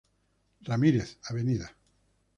Ramírez, Av.